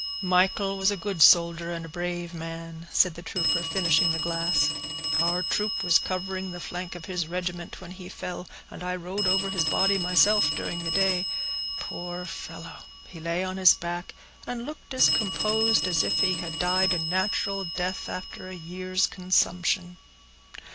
"Michael was a good soldier and a brave man," said the trooper, finishing the glass. "Our troop was covering the flank of his regiment when he fell, and I rode over his body myself during the day. Poor fellow! he lay on his back, and looked as composed as if he had died a natural death after a year's consumption."